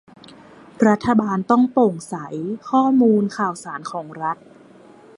รัฐบาลต้องโปร่งใส ข้อมูลข่าวสารของรัฐ